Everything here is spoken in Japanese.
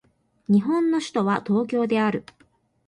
日本の首都は東京である